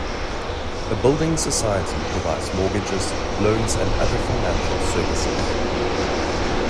A building society provides mortgages, loans and other financial services